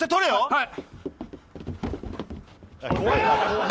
はい？